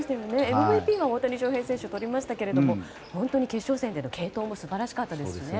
ＭＶＰは大谷翔平選手がとりましたけれども本当に決勝戦での継投も素晴らしかったですよね。